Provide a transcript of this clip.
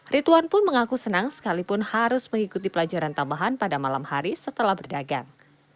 rituan pun mengaku senang sekalipun harus mengikuti pelajaran tambahan pada malam hari setelah berdagang